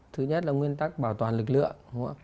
thứ nhất là nguyên tắc bảo toàn lực lượng